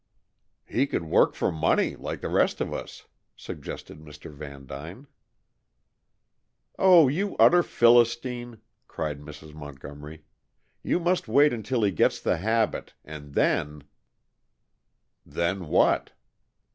"He could work for money, like the rest of us," suggested Mr. Vandyne. "Oh, you utter Philistine!" cried Mrs. Montgomery. "You must wait until he gets the habit, and then !" "Then what?"